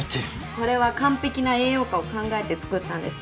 これは完璧な栄養価を考えて作ったんです！